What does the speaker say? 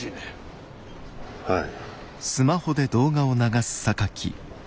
はい。